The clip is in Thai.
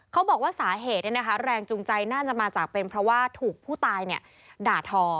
เขาบอกว่าสาเหตุแรงจูงใจน่าจะมาจากเป็นเพราะว่าถูกผู้ตายด่าทอ